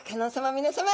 みなさま